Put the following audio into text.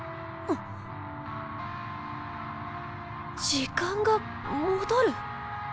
時間が戻る？